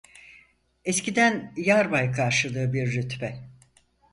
Eskiden yarbay karşılığı bir rütbe.